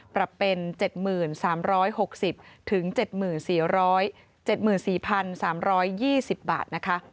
ปรับเป็น๗๐๓๖๐ถึง๗๔๓๒๐บาท